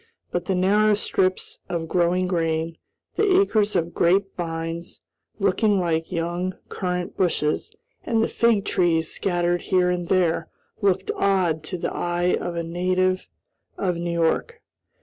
But the narrow strips of growing grain, the acres of grape vines, looking like young currant bushes, and the fig trees scattered here and there, looked odd to the eye of a native of New York.